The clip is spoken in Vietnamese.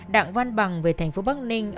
đặng văn bằng về thành phố bắc ninh